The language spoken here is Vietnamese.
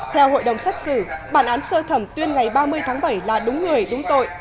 theo hội đồng xét xử bản án sơ thẩm tuyên ngày ba mươi tháng bảy là đúng người đúng tội